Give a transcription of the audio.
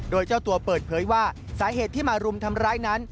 โดยเจ้าตัวเปิดเผยว่าสาเหตุที่มารุมทำร้ายนั้น